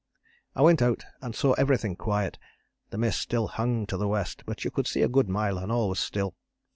I went out and saw everything quiet: the mist still hung to the west, but you could see a good mile and all was still.